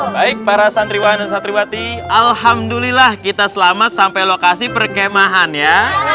baik para santriwan dan santriwati alhamdulillah kita selamat sampai lokasi perkemahan ya